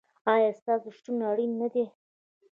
ایا ستاسو شتون اړین نه دی؟